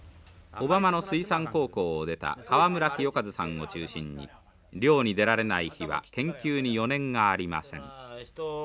小浜の水産高校を出たカワムラキヨカズさんを中心に漁に出られない日は研究に余念がありません。